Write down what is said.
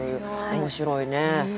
面白いね。